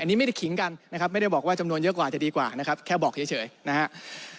อันนี้ไม่ได้ขิงกันนะครับไม่ได้บอกว่าจำนวนเยอะกว่าจะดีกว่านะครับแค่บอกเฉยนะครับ